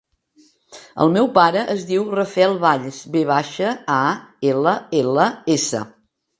El meu pare es diu Rafael Valls: ve baixa, a, ela, ela, essa.